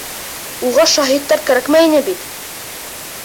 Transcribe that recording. Уға шаһиттар кәрәкмәй ине бит.